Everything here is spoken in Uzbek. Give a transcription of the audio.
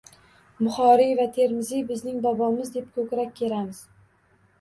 “Buxoriy va Termiziy – bizning bobomiz”, deb ko‘krak keramiz.